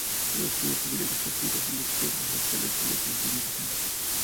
Los juicios civiles: los testigos y los jueces aceptables y los procedimientos generales.